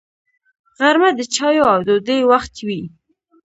غرمه د چایو او ډوډۍ وخت وي